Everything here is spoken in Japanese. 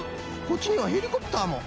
こっちにはヘリコプターも。